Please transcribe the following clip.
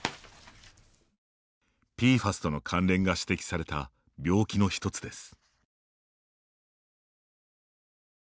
ＰＦＡＳとの関連が指摘された病気の１つです。